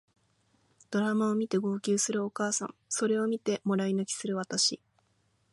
ドラマを見て号泣するお母さんそれを見てもらい泣きする私